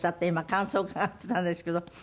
今感想を伺ってたんですけど。